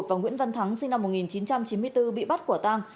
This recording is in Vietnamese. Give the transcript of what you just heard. và nguyễn văn thắng sinh năm một nghìn chín trăm chín mươi bốn bị bắt quả tang